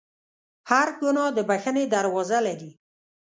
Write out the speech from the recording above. هر ګناه د بخښنې دروازه لري.